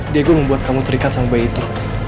diego membuat kamu terikat sang bayi itu